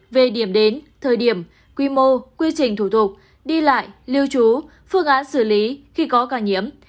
về điểm đến thời điểm quy mô quy trình thủ tục đi lại lưu trú phương án xử lý khi có ca nhiễm